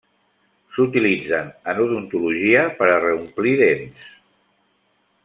S'utilitzen en odontologia per a reomplir dents.